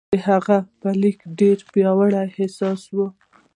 د هغه په لیک کې ډېر پیاوړی احساس و